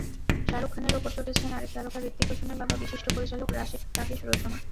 শাহরুখ খানের ওপর চটেছেন আরেক তারকা হৃতিক রোশনের বাবা বিশিষ্ট পরিচালক রাকেশ রোশন।